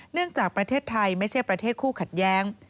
จากประเทศไทยไม่ใช่ประเทศคู่ขัดแย้ง